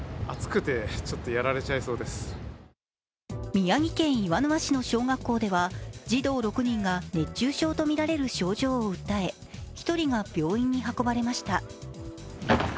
宮城県岩沼市の小学校では、児童６人が熱中症とみられる症状を訴え、１人が病院に運ばれました。